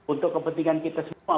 untuk kepentingan kita semua